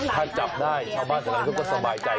ถ้าจับได้ชาวบ้านสำหรับนี้ก็สบายใจ